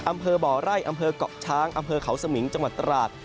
อำเภอบ่อไร่อำเภอกเกาะช้างอำเภอเขาสมิงจังหวัดตราด